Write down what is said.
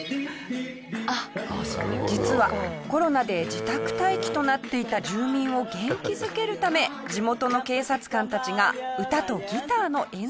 実はコロナで自宅待機となっていた住民を元気づけるため地元の警察官たちが歌とギターの演奏をプレゼント。